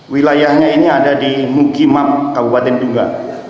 wilayahnya ini ada di mugimap kabupaten tungga